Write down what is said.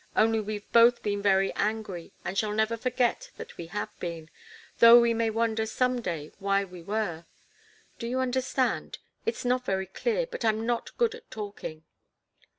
Only we've both been very angry and shall never forget that we have been, though we may wonder some day why we were. Do you understand? It's not very clear, but I'm not good at talking."